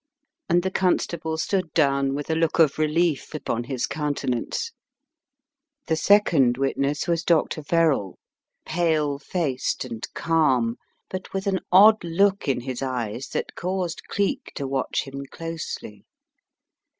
And the Constable stood down with a look of relief upon his countenance. The second witness was Dr. Verrall, pale faced and calm* but with an odd look in his eyes that caused Cleek to watch him closely.